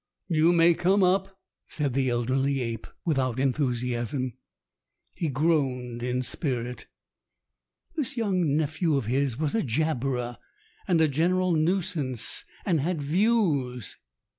"You may come up," said the elderly ape, without enthusiasm. He groaned in spirit. This young nephew of his was a jabberer and a general nuisance, and had views.